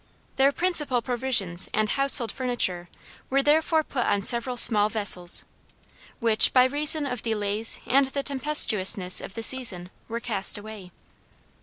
Their principal provisions and household furniture were therefore put on several small vessels, which, by reason of delays and the tempestuousness of the season, were cast away.